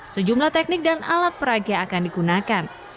sejumlah teknik dan alat peraga akan digunakan